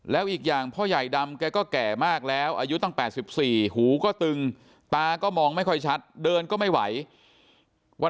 แล้วอีกอย่างพ่อใหญ่ดำแกก็แก่มากแล้วอายุตั้ง๘๔หูก็ตึงตาก็มองไม่ค่อยชัดเดินก็ไม่ไหววัน